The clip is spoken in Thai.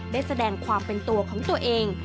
ได้แสดงความเป็นตัวของตัวเอง